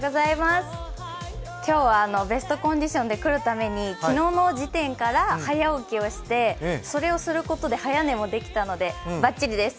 今日はベストコンディションで来るために昨日の時点から早起きをして、それをすることで早寝をすることもできたので、バッチリです。